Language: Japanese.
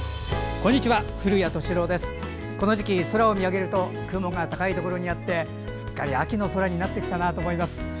この時期、空を見上げると雲が高いところにあってすっかり秋の空になってきたなと思います。